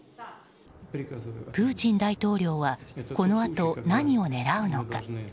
プーチン大統領はこのあと何を狙うのか。